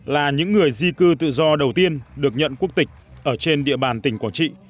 là những người di cư tự do đầu tiên được nhận quốc tịch ở trên địa bàn tỉnh quảng trị